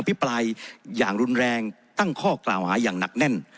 พิปรายอย่างรุนแรงตั้งข้อกล่าวหาอย่างหนักแน่น